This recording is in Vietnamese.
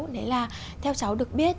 đấy là theo cháu được biết